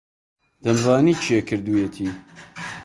دەمزانی کێ کردوویەتی.